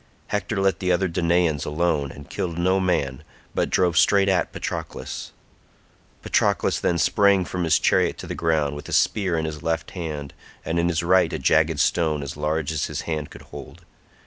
Hector let the other Danaans alone and killed no man, but drove straight at Patroclus. Patroclus then sprang from his chariot to the ground, with a spear in his left hand, and in his right a jagged stone as large as his hand could hold.